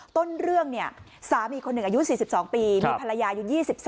ต้นเรื่องเนี่ยสามีคนหนึ่งอายุ๔๒ปีมีภรรยาอยู่๒๓